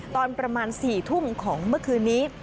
ตอนประมาณ๔ทุ่มของเมื่อคืนนี้